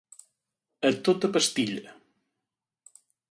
A tota pastilla.